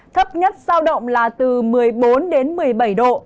thấp nhất giao động là từ một mươi bốn đến một mươi bảy độ